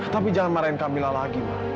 tapi jangan marahin kamila lagi mbak